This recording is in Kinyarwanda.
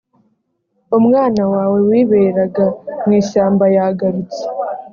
umwana wawe wiberaga mu ishyamba yagarutse